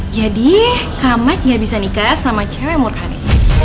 jadi kamat gak bisa nikah sama cewek murhani